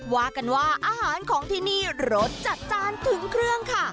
ว่ากันว่าอาหารของที่นี่รสจัดจ้านถึงเครื่องค่ะ